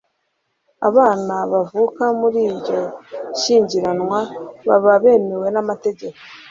abana bavuka [muri iryo shyingiranwa] baba bemewe n’amategeko